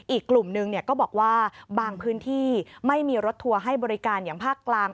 อีกกลุ่มหนึ่งก็บอกว่าบางพื้นที่ไม่มีรถทัวร์ให้บริการอย่างภาคกลาง